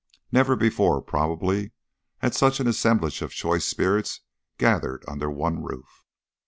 Never before, probably, had such an assemblage of choice spirits gathered under one roof.